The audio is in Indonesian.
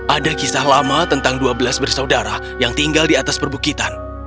ada kisah lama tentang dua belas bersaudara yang tinggal di atas perbukitan